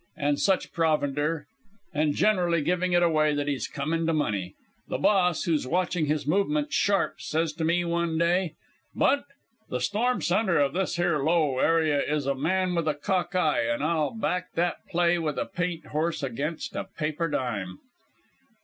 ] and such provender, and generally giving it away that he's come into money. The Boss, who's watching his movements sharp, says to me one day: "'Bunt, the storm centre of this here low area is a man with a cock eye, an' I'll back that play with a paint horse against a paper dime.'